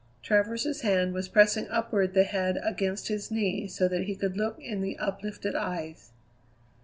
Travers's hand was pressing upward the head against his knee so that he could look in the uplifted eyes.